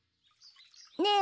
ねえ